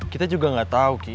kita juga nggak tahu ki